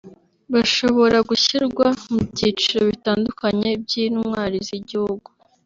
bashobora gushyirwa mu byiciro bitandukanye by’intwari z’igihugu